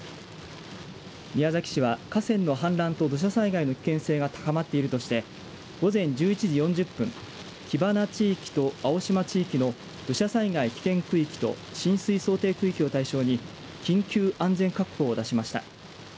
宮崎市は、河川の氾濫と土砂災害の危険性が高まっているとして午前１１時４０分木花地域と青島地域の土砂災害危険区域と浸水想定区域を対象に緊急安全確保を出しました。